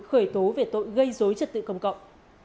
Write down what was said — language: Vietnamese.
khởi tố về tội gây dối trật tự công cộng